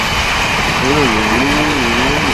治所在牂牁县。